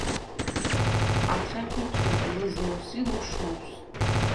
ათხე ხვითვრიდ ლჷზნუს ი ლუშნუს.